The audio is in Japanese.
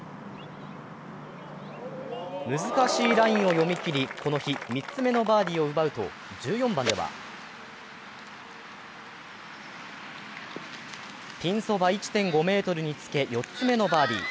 難しいラインを読み切り、この日、３つ目のバーディーを奪うと１４番ではピンそば１．５ｍにつけ、４つ目のバーディー。